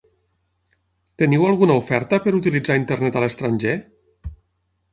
Teniu alguna oferta per utilitzar internet a l'estranger?